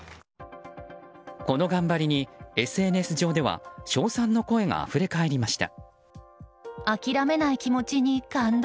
この頑張りにＳＮＳでは称賛の声があふれ返りました。